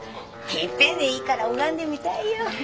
いっぺんでいいから拝んでみたいよ。